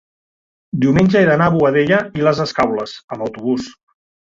diumenge he d'anar a Boadella i les Escaules amb autobús.